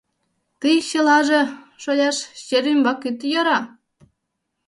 — Тый чылаже, шоляш, чер ӱмбак ит йӧрӧ!